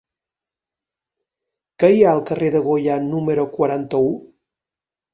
Què hi ha al carrer de Goya número quaranta-u?